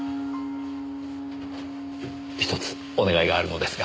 １つお願いがあるのですが。